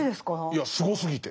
いやすごすぎて。